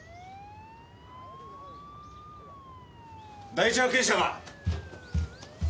第一発見者か？